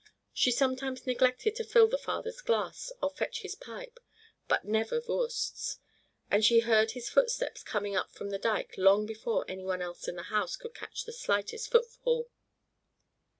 She sometimes neglected to fill the father's glass or fetch his pipe, but never Voorst's; and she heard his footsteps coming up from the dike long before any one else in the house could catch the slightest footfall.